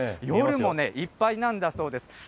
夜もいっぱいなんだそうです。